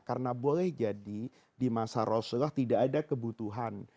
karena boleh jadi di masa rasulullah tidak ada kebutuhan